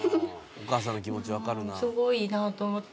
お母さんの気持ち分かるなあ。